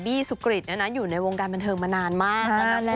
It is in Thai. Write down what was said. สุกริตอยู่ในวงการบันเทิงมานานมาก